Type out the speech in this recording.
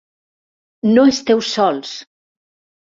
No esteu sols!